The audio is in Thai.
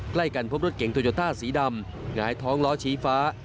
ใกล้กันพบรถเก่งโตโยต้าสีดำหงายท้องล้อชี้ฟ้า